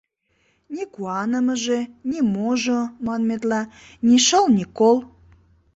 Ни куанымыже, ни можо, манметла, ни шыл, ни кол.